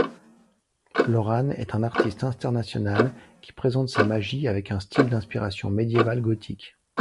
Loran est un artiste international qui présente sa magie avec un style d’inspiration médiéval-gothique.